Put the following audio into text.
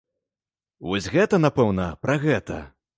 Вось гэта, напэўна, пра гэта.